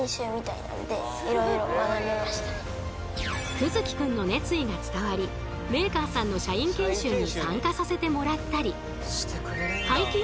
玖月くんの熱意が伝わりメーカーさんの社員研修に参加させてもらったり。